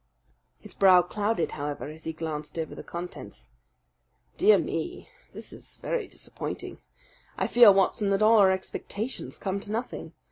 His brow clouded, however, as he glanced over the contents. "Dear me, this is very disappointing! I fear, Watson, that all our expectations come to nothing.